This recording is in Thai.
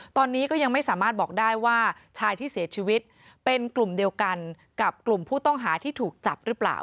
ตอนนี้ก็ยังไม่สามารถบอกได้ว่าชายที่เสียชีวิตเป็นกลุ่มเดียวกันกับกลุ่มผู้ต้องหาที่ถูกจับหรือเปล่า